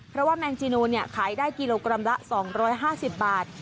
เพราะว่าแมงจีนูนขายได้กิโลกรัมละ๒๕๐บาท